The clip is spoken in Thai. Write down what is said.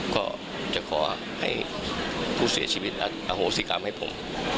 ก็จะขอให้ผู้เสียชีวิตและอโหสิกรรมให้ผม